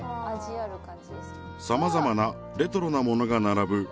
さまざまなレトロなものが並ぶ